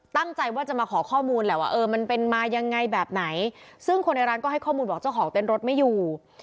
ตั้งใจว่าจะมาขอข้อมูลแหละว่าเออมันเป็นมายังไงแบบไหนซึ่งคนในร้านก็ให้ข้อมูลบอกเจ้าของเต้นรถไม่อยู่